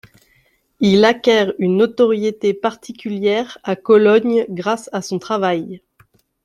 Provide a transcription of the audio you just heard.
Il acquiert une notoriété particulière à Cologne grâce à son travail.